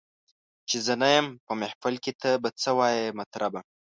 چي زه نه یم په محفل کي ته به څه وایې مطربه